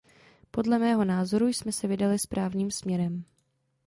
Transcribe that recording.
Podle mého názoru jsme se vydali správným směrem.